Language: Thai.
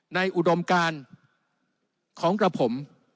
ในอุดมการของกับผม